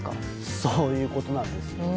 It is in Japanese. そういうことなんです。